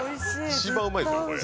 一番うまいですよこれ。